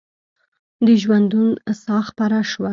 د ژوندون ساه خپره شوه